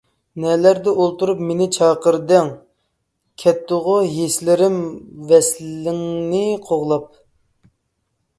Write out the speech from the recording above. نەلەردە ئولتۇرۇپ مېنى چاقىردىڭ؟ كەتتىغۇ ھېسلىرىم ۋەسلىڭنى قوغلاپ.